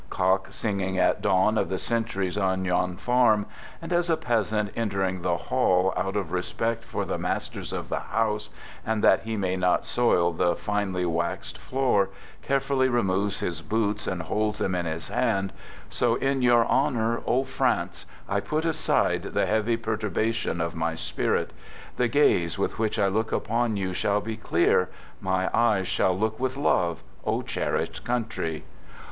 Cock singing at dawn of the centuries on your farm; And as a peasant entering the hall Out of respect for the masters of the house And that he may not soil the finely waxed floor Carefully removes his boots and holds them in his hand, I So in your honor, O France, I put aside I The heavy perturbation of my spirit; I The gaze with which I look upon you shall be clear, I My eyes shall look with love, O cherished country